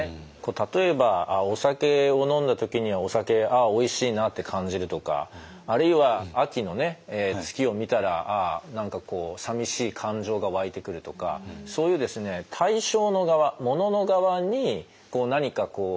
例えばお酒を飲んだ時にはお酒ああおいしいなって感じるとかあるいは秋の月を見たらああ何かこうさみしい感情が湧いてくるとかそういうですねなるほど。